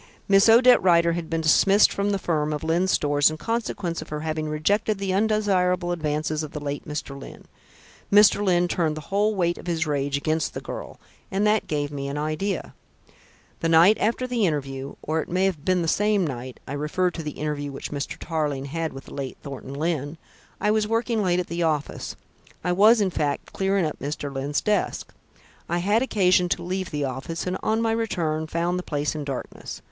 "Miss Odette Rider had been dismissed from the firm of Lyne's Stores in consequence of her having rejected the undesirable advances of the late Mr. Lyne. Mr. Lyne turned the whole weight of his rage against this girl, and that gave me an idea. "The night after the interview or it may have been the same night I refer to the interview which Mr. Tarling had with the late Thornton Lyne I was working late at the office. I was, in fact, clearing up Mr. Lyne's desk. I had occasion to leave the office, and on my return found the place in darkness.